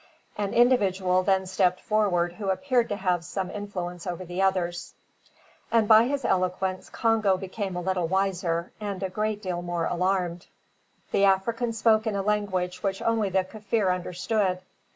An individual then stepped forward who appeared to have some influence over the others; and by his eloquence Congo became a little wiser, and a great deal more alarmed. The African spoke in a language which only the Kaffir understood.